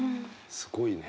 すごいね。